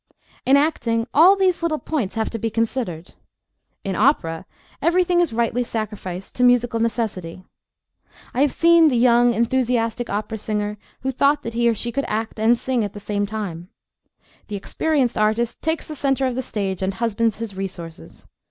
In acting, all these little points have to be considered. In opera, everything is rightly sacrificed to musical necessity. I have seen the young, enthusiastic opera singer who thought that he or she could act and sing at the same time. The experienced artist takes the centre of the stage and husbands his resources.